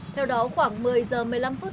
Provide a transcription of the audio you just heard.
theo đó khoảng một mươi giờ một mươi năm phút